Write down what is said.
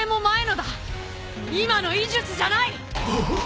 今の医術じゃない！あっ！？